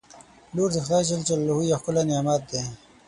• لور د خدای یو ښکلی نعمت دی.